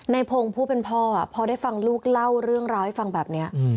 ในพงศ์ผู้เป็นพ่อพอได้ฟังลูกเล่าเรื่องราวให้ฟังแบบนี้